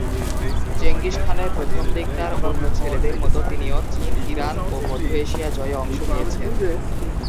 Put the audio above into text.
Genghis খানের প্রথমদিককার অন্য ছেলেদের মত তিনিও চীন, ইরান ও মধ্য এশিয়া জয়ে অংশ নিয়েছেন।